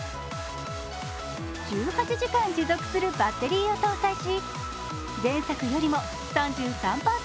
１８時間持続するバッテリーを搭載し前作よりも３３％